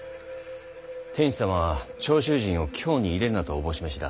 天子様は長州人を京に入れるなと思し召しだ。